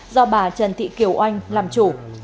do bà trần thị kiều oanh làm chủ